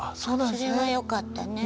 それはよかったね。